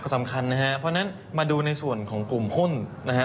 สำคัญนะฮะเพราะฉะนั้นมาดูในส่วนของกลุ่มหุ้นนะฮะ